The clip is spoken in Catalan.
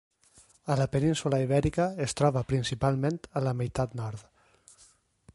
A la península Ibèrica es troba principalment a la meitat nord.